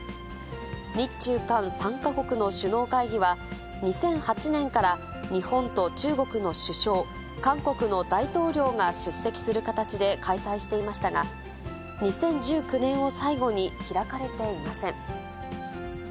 日中韓３か国の首脳会議は、２００８年から日本と中国の首相、韓国の大統領が出席する形で開催していましたが、２０１９年を最後に開かれていません。